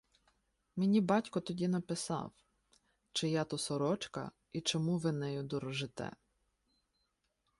Мені батько тоді написав, чия то сорочка і чому ви нею дорожите.